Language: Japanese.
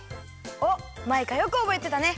おっマイカよくおぼえてたね。